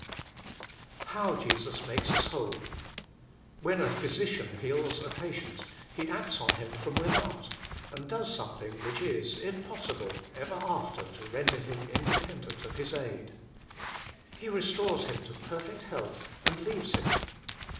How JESUS MAKES Us WHOLE. When a physician heals a patient, he acts on him from without, and does something which is, if possible, ever after to render him independent of his aid. He restores him to perfect health, and leaves him.